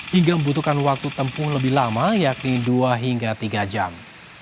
hingga membutuhkan waktu tempuh lebih lama yakni dua hingga tiga jam